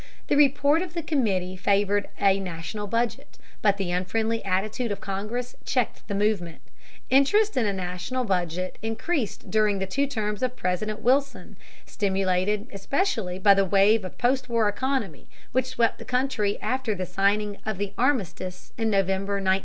The report of the committee favored a national budget, but the unfriendly attitude of Congress checked the movement. Interest in a national budget increased during the two terms of President Wilson, stimulated, especially, by the wave of postwar economy which swept the country after the signing of the armistice in November, 1918.